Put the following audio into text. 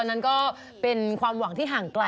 สวัสดีค่ะสวัสดีค่ะ